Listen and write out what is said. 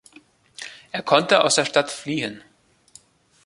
Er konnte aus der Stadt fliehen.